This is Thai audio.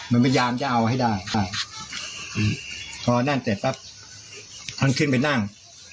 มันพยายามจะเอาให้ได้ใช่พอนั่นเสร็จปั๊บท่านขึ้นไปนั่ง